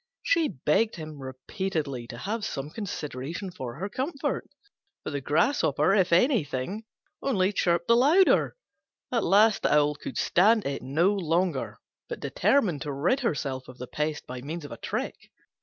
She begged him repeatedly to have some consideration for her comfort, but the Grasshopper, if anything, only chirped the louder. At last the Owl could stand it no longer, but determined to rid herself of the pest by means of a trick.